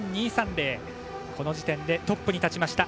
この時点でトップに立ちました。